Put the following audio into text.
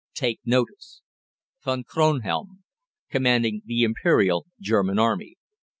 Take notice! =VON KRONHELM, Commanding the Imperial German Army.